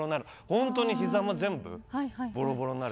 本当にひざもボロボロになる。